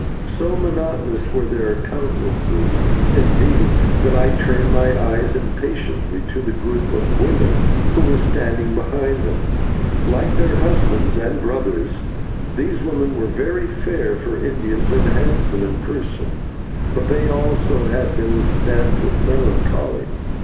So monotonous were their countenances, indeed, that I turned my eyes impatiently to the group of women who were standing behind them. Like their husbands and brothers, these women were very fair for Indians, and handsome in person, but they also had been stamped with melancholy.